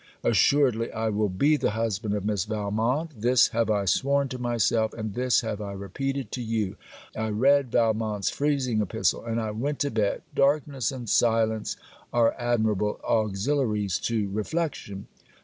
Assuredly I will be the husband of Miss Valmont. This have I sworn to myself: and this have I repeated to you. I read Valmont's freezing epistle and I went to bed. Darkness and silence are admirable auxiliaries to reflection.